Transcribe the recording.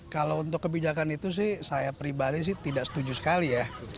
kalau untuk kebijakan itu sih saya pribadi sih tidak setuju sekali ya